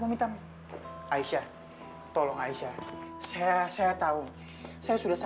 mau minder jalan gue kutahatithisan